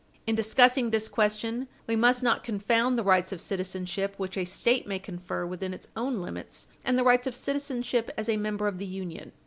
In discussing this question, we must not confound the rights of citizenship which a State may confer within its own limits and the rights of citizenship as a member of the Union.